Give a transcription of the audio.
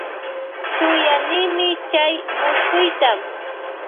Shuyanimi chay muskuyta.